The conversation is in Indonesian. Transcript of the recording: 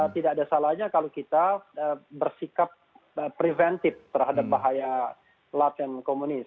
tidak ada salahnya kalau kita bersikap preventif terhadap bahaya laten komunis